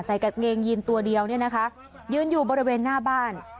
ใส่กับเงงยินตัวเดียวนะคะยืนอยู่บริเวณหน้าบ้าน